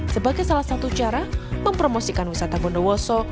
sebagai salah satu cara mempromosikan wisata bondowoso